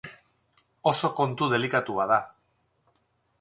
Oso kontu delikatua da.